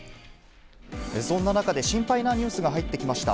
そんな中で心配なニュースが入ってきました。